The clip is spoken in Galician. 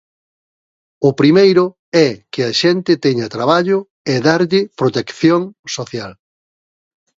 O primeiro é que a xente teña traballo e darlle protección social.